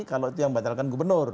kalau itu yang batalkan gubernur